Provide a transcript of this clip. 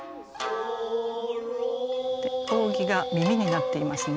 扇が耳になっていますね。